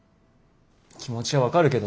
気持ちは分かるけど。